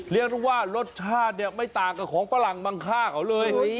เรียกได้ว่ารสชาติเนี่ยไม่ต่างกับของฝรั่งมังค่าเขาเลย